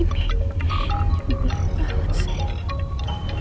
nyantih banget sih